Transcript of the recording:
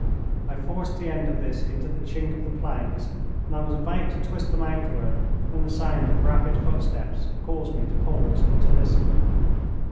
I forced the end of this into the chink of the planks, and I was about to twist them outward when the sound of rapid footsteps caused me to pause and to listen.